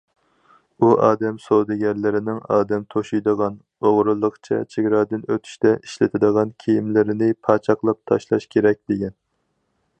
ئۇ، ئادەم سودىگەرلىرىنىڭ ئادەم توشۇيدىغان ئوغرىلىقچە چېگرادىن ئۆتۈشتە ئىشلىتىدىغان كېمىلىرىنى پاچاقلاپ تاشلاش كېرەك، دېگەن.